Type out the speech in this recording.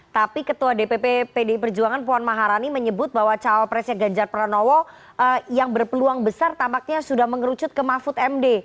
tapi ketua dpp pdi perjuangan puan maharani menyebut bahwa cawapresnya ganjar pranowo yang berpeluang besar tampaknya sudah mengerucut ke mahfud md